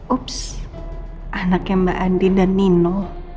ops anaknya mbak andin dan nino